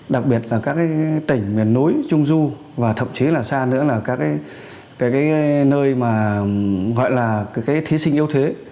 đặc biệt là các tỉnh miền núi trung du và thậm chí là xa nữa là các nơi gọi là thí sinh yêu thế